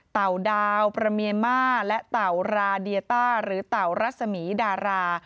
เต่าดาวประเมียนมาและเต่าราเดียต้าหรือเต่ารัศมีดารา